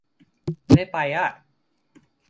ไม่ได้ไปอ๊ะ